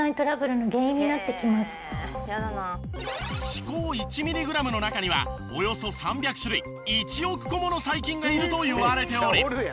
歯垢１ミリグラムの中にはおよそ３００種類１億個もの細菌がいるといわれており。